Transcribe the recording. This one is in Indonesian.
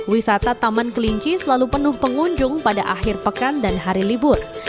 wisata taman kelinci selalu penuh pengunjung pada akhir pekan dan hari libur